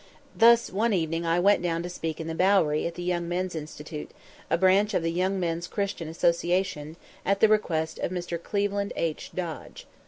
Thus one evening I went down to speak in the Bowery at the Young Men's Institute, a branch of the Young Men's Christian Association, at the request of Mr. Cleveland H. Dodge.